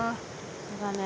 そうだね。